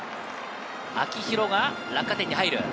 秋広が落下点に入る。